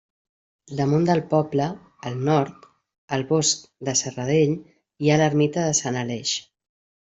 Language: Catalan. Damunt del poble, al nord, al bosc de Serradell, hi ha l'ermita de sant Aleix.